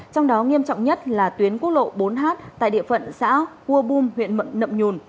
trong đó nghiêm trọng nhất là tuyến quốc lộ bốn h tại địa phận xã cua bum huyện mận nậm nhùn